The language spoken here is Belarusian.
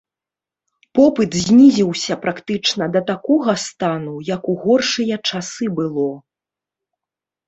Попыт знізіўся практычна да такога стану, як у горшыя часы было.